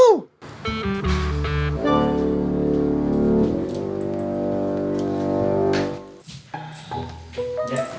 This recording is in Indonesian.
ya udah aja